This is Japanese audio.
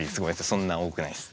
そんな多くないです。